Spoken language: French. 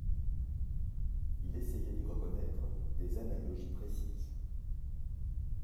Il essayait d'y reconnaître des analogies précises.